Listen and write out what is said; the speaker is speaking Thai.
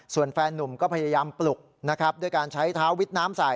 ส่วนแฟนนุ่มก็พยายามปลุกนะครับด้วยการใช้เท้าวิดน้ำใส่